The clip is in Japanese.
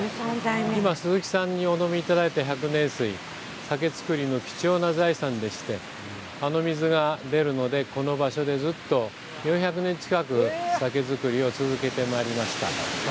今、鈴木さんにお飲みいただいた百年水は酒造りの貴重な財産でしてあの水が出るので、この場所で４００年近く酒造りを続けてまいりました。